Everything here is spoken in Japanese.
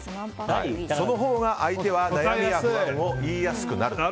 そのほうが相手は悩みや不安を言いやすくなる。